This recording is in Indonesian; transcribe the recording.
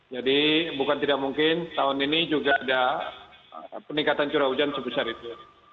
jadi bukan tidak mungkin tahun ini juga ada peningkatan curah hujan sebesar itu